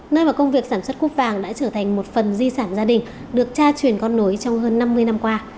nơi mà công việc sản xuất cúp vàng đã trở thành một phần di sản gia đình được tra truyền con nối trong hơn năm mươi năm qua